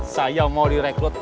saya mau direkrut